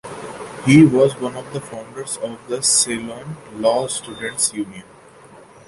He was one of the founders of the Ceylon Law Students Union.